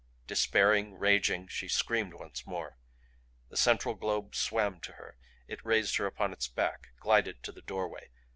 Despairing, raging, she screamed once more. The central globe swam to her; it raised her upon its back; glided to the doorway.